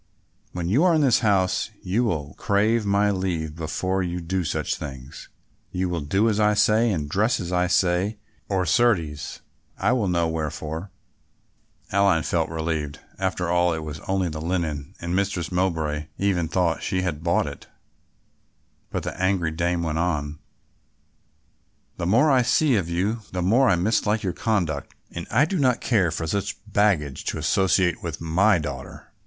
When you are in this house you will crave my leave before you do such things; you will do as I say and dress as I say or, certes, I will know wherefore." Aline felt relieved. After all it was only the linen and Mistress Mowbray even thought she had bought it; but the angry dame went on; "The more I see of you the more I mislike your conduct and I do not care for such baggage to associate with my daughter.